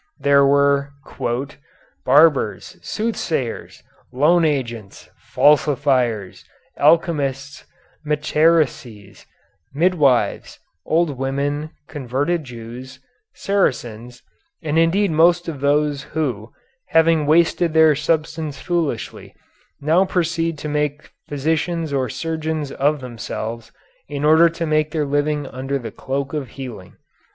There were "barbers, soothsayers, loan agents, falsifiers, alchemists, meretrices, midwives, old women, converted Jews, Saracens, and indeed most of those who, having wasted their substance foolishly, now proceed to make physicians or surgeons of themselves in order to make their living under the cloak of healing."